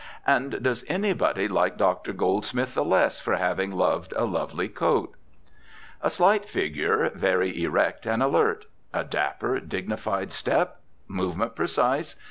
And does anybody like Dr. Goldsmith the less for having loved a lovely coat? A slight figure, very erect and alert. A dapper, dignified step. Movement precise.